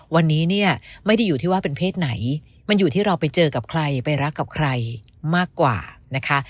วันนี้เนี่ยไม่ได้อยู่ที่ว่าเป็นเพศไหนมันอยู่ที่เราไปเจอกับใครไปรักกับใครมากกว่านะคะ